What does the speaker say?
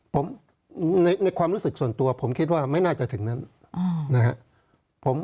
ผมในความรู้สึกส่วนตัวผมคิดว่าไม่น่าจะถึงนั้นนะครับ